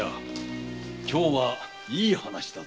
今日はいい話だぞ。